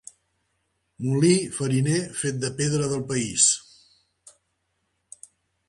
Molí fariner fet de pedra del país.